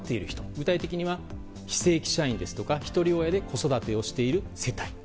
具体的には非正規社員ですとかひとり親で子育てをしている世帯。